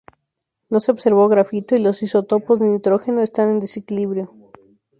No se observó grafito y los isótopos de nitrógeno están en desequilibrio.